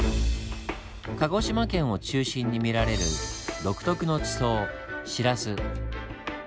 鹿児島県を中心に見られる独特の地層シラス。